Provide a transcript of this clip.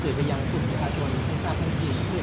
คือว่าเขาแอบอ้าวเป็นของเราเลยใช่ไหมครับ